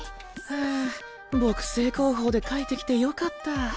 ああ僕正攻法で描いてきてよかった。